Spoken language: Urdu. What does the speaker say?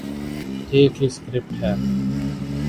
ایک ہی سکرپٹ ہے۔